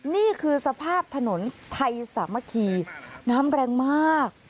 นี่คือสภาพถนนไทยสามัคคีน้ำแรงมาก